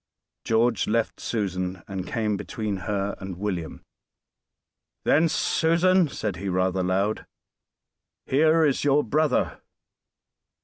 George left Susan, and came between her and William. "Then, Susan," said he, rather loud, "here is your brother."